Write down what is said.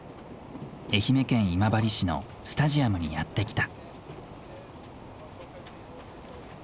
愛媛県今治市のスタジアムにやって来た。